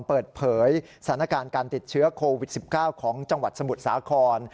เปิดเผยสถานการณ์การติดเชื้อโควิด๑๙ของจังหวัดสมุทรสาคร